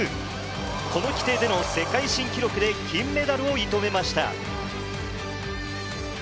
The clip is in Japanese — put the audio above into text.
この規定での世界新記録で金メダルを射止めました。